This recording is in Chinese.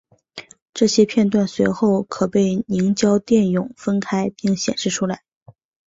这些片断随后可被凝胶电泳分开并显示出来。